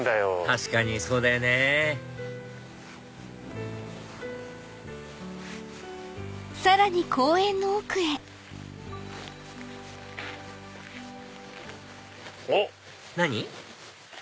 確かにそうだよねおっ！何？